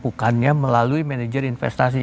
bukannya melalui manajer investasi